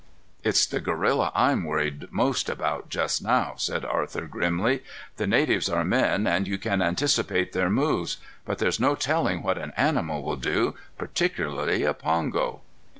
"It's the gorilla I'm worried most about just now," said Arthur grimly. "The natives are men, and you can anticipate their moves, but there's no telling what an animal will do, particularly a pongo."